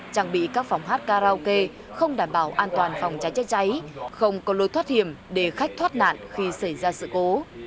trang bị các phòng hát karaoke không đảm bảo an toàn phòng cháy chữa cháy không có lối thoát hiểm để khách thoát nạn khi xảy ra sự cố